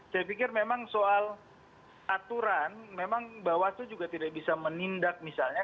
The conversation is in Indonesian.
saya pikir memang soal aturan memang bawaslu juga tidak bisa menindak misalnya